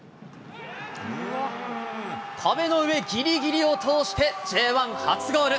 壁の上ぎりぎりを通して、Ｊ１初ゴール。